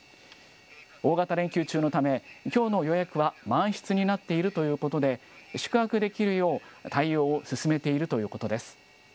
大型連休中のため、きょうの予約は満室になっているということで、宿泊できるよう対応を進めているということです。